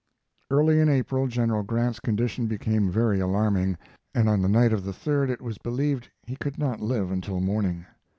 Early in April General Grant's condition became very alarming, and on the night of the 3d it was believed he could not live until morning.